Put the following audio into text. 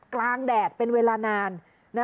กลางแดดเป็นเวลานาน